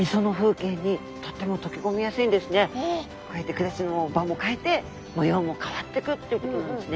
こうやって暮らしの場も変えて模様も変わってくっていうことなんですね。